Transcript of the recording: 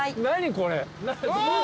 これ。